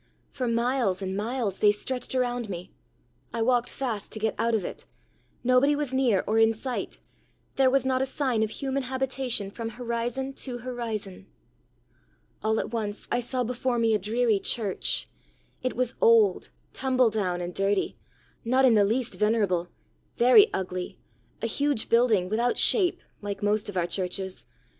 For miles and miles they stretched around me. I walked fast to get out of it. Nobody was near or in sight; there was not a sign of human habitation from horizon to horizon. "All at once I saw before me a dreary church. It was old, tumble down, and dirty not in the least venerable very ugly a huge building without shape, like most of our churches.